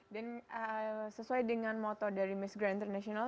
dan sesuai dengan motto dari miss grand international